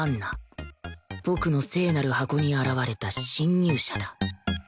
僕の聖なる箱に現れた侵入者だ